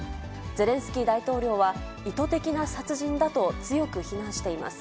ゼレンスキー大統領は、意図的な殺人だと強く非難しています。